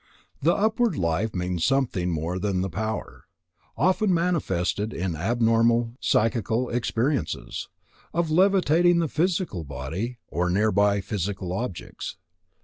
The upward life means something more than the power, often manifested in abnormal psychical experiences, of levitating the physical body, or near by physical objects.